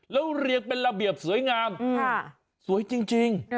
แล้วเรียงเป็นระเบียบสวยงามสวยจริง